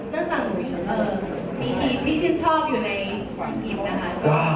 นั่นจากมีทีมที่ชื่นชอบอยู่ในอังกฤษนะฮะ